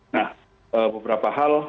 nah beberapa hal